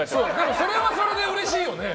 それはそれでうれしいよね。